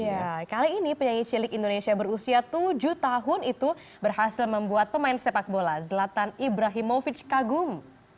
nah kali ini penyanyi cilik indonesia berusia tujuh tahun itu berhasil membuat pemain sepak bola zlatan ibrahimovic kagum